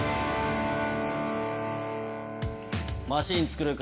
マシンを作る方